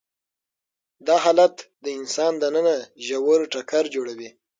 دا حالت د انسان دننه ژور ټکر جوړوي.